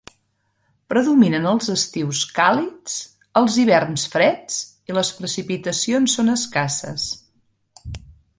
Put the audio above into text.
Predominen els estius càlids, els hiverns freds i les precipitacions són escasses.